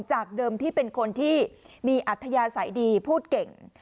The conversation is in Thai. จากเดิมที่เป็นคนที่มีอัธยาศัยดีพูดเก่ง